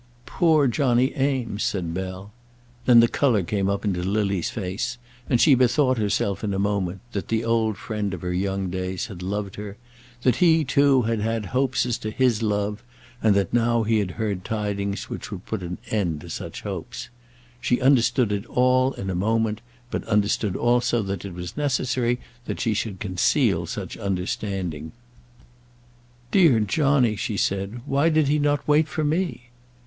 "Poor Johnny Eames," said Bell. Then the colour came up into Lily's face, and she bethought herself in a moment that the old friend of her young days had loved her, that he, too, had had hopes as to his love, and that now he had heard tidings which would put an end to such hopes. She understood it all in a moment, but understood also that it was necessary that she should conceal such understanding. "Dear Johnny!" she said. "Why did he not wait for me?"